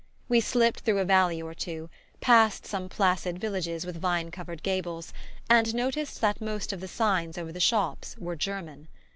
We slipped through a valley or two, passed some placid villages with vine covered gables, and noticed that most of the signs over the shops were German.